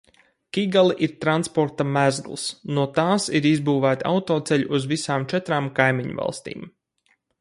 Kigali ir transporta mezgls, no tās ir izbūvēti autoceļi uz visām četrām kaimiņvalstīm.